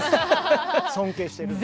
尊敬してるので。